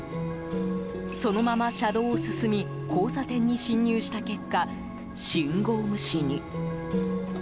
そのまま車道を進み、交差点に進入した結果、信号無視に。